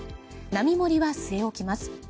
並盛は据え置きます。